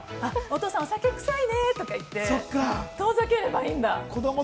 お父さん、酒臭いねとか言って遠ざければいいんだ。